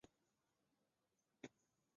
束尾草属是禾本科下的一个属。